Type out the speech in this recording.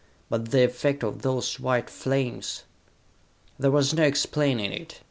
But the effect of those white flames!... There was no explaining it.